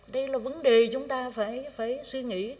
đây là vấn đề chúng ta phải suy nghĩ